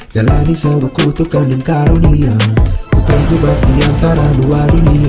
jalani sewuku tukang dan karunia putar jebak diantara dua dunia